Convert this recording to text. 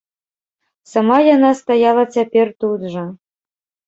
Сама яна стаяла цяпер тут жа.